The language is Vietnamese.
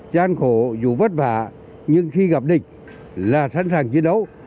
gian khổ dù vất vả nhưng khi gặp địch là sẵn sàng chiến đấu